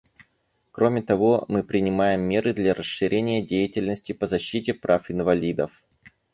Кроме того, мы принимаем меры для расширения деятельности по защите прав инвалидов.